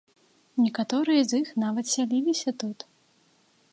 Некаторыя з іх нават сяліліся тут.